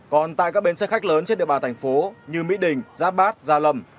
còn tại các bến xe khách lớn trên địa bàn thành phố như mỹ đình giáp bát gia lâm